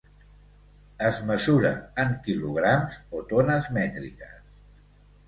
Es mesura en quilograms o tones mètriques.